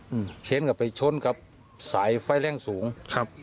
อืมแฉ้นกับไปช้นครับสายไฟแร่งสูงครับ